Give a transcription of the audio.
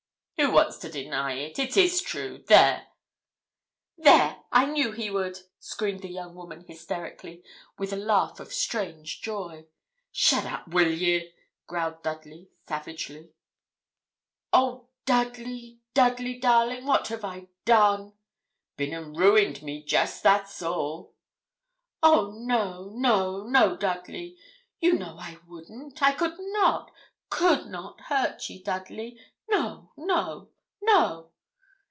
'Who wants to deny it? It is true there!' 'There! I knew he would,' screamed the young woman, hysterically, with a laugh of strange joy. 'Shut up, will ye?' growled Dudley, savagely. 'Oh, Dudley, Dudley, darling! what have I done?' 'Bin and ruined me, jest that's all.' 'Oh! no, no, no, Dudley. Ye know I wouldn't. I could not could not hurt ye, Dudley. No, no, no!'